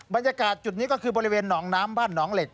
บรรยากาศจุดนี้ก็คือบริเวณหนองน้ำบ้านหนองเหล็ก